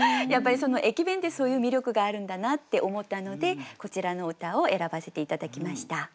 やっぱり駅弁ってそういう魅力があるんだなって思ったのでこちらの歌を選ばせて頂きました。